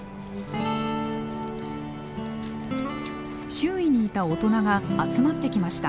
周囲にいた大人が集まってきました。